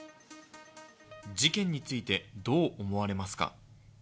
事件について、どう思われますか。